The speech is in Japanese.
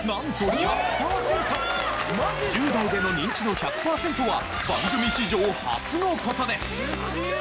１０代でのニンチド１００パーセントは番組史上初の事です！